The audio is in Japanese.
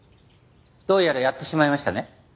どうやらやってしまいましたね。